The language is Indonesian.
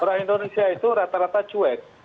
orang indonesia itu rata rata cuek